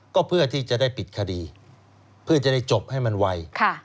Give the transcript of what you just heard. ก็เพื่อที่จะได้ปิดคดีเพื่อจะได้จบให้มันไว